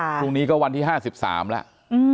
พรุ่งนี้ก็วันที่๕๓แล้ว